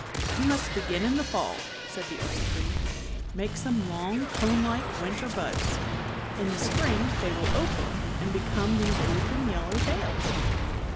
" You must be gin in the fall," said the old tree, " make some long conelike winter buds. In the spring they will open and become these drooping yel low tails."